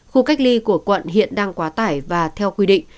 khu cách ly của quận hiện đang quá tải và theo quy định